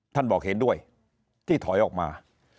ท่านบอกเห็นด้วยที่ถอยออกมา